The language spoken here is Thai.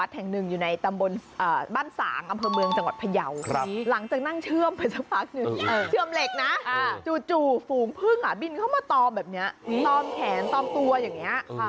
เขามาตอมแบบนี้ตอมแขนตอมตัวอย่างนี้